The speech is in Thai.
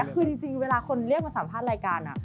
คือจริงเวลาคนเรียกมาสัมภาษณ์รายการ